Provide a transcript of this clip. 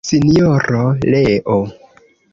Sinjoro Leo.